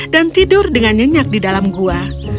dan tidur dengan nyenyak di dalam gua